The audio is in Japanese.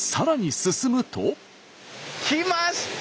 きました！